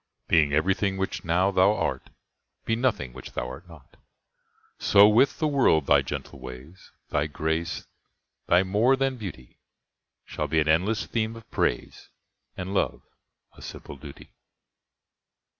Being everything which now thou art, Be nothing which thou art not. So with the world thy gentle ways, Thy grace, thy more than beauty, Shall be an endless theme of praise, And love—a simple duty.